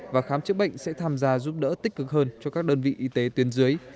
và khám chữa bệnh sẽ tham gia giúp đỡ tích cực hơn cho các đơn vị y tế tuyến dưới